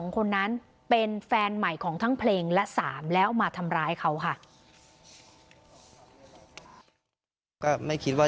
คนนั้นเป็นแฟนใหม่ของทั้งเพลงและ๓แล้วมาทำร้ายเขาค่ะ